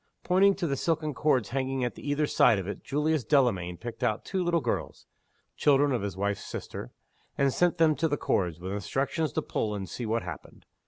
Pointing to the silken cords hanging at either side of it, Julius Delamayn picked out two little girls (children of his wife's sister), and sent them to the cords, with instructions to pull, and see what happened.